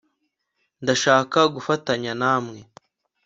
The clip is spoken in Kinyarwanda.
ndashaka gufatanya na mwe